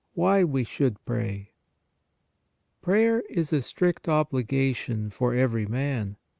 WHY WE SHOULD PRAY Prayer is a strict obligation for every man.